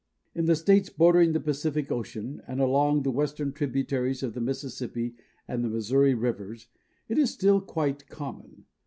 In the states bordering the Pacific Ocean and along the western tributaries of the Mississippi and the Missouri rivers it is still quite common.